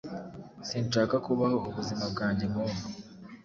Sinshaka kubaho ubuzima bwanjye nkubu.